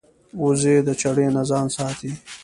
وزې د چړې نه ځان ساتي